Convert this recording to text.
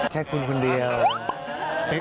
แค่คุณคนเดียว